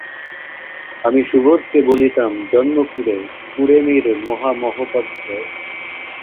আমি সুবোধকে বলিতাম, জন্মকুঁড়ে, কুঁড়েমির মহামহোপাধ্যায়।